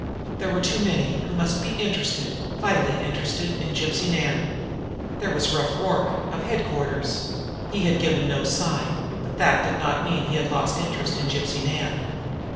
There were too many who must be interested, vitally interested, in Gypsy Nan! There was Rough Rorke, of headquarters; he had given no sign, but that did not mean he had lost interest in Gypsy Nan.